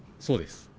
そうです。